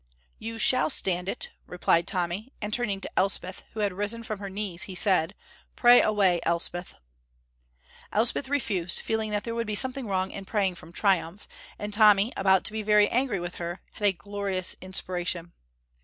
"You shall stand it," replied Tommy, and turning to Elspeth, who had risen from her knees, he said: "Pray away, Elspeth." Elspeth refused, feeling that there would be something wrong in praying from triumph, and Tommy, about to be very angry with her, had a glorious inspiration.